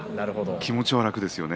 気持ちは楽ですよね。